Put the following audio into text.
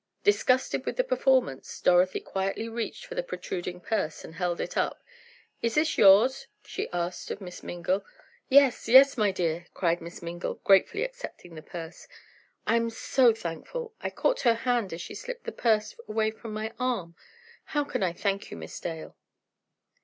Disgusted with the performance, Dorothy quietly reached for the protruding purse and held it up. "Is this yours?" she asked, of Miss Mingle. "Yes, yes, my dear!" cried Miss Mingle, gratefully accepting the purse, "I'm so thankful! I caught her hand as she slipped the purse away from my arm. How can I thank you, Miss Dale?"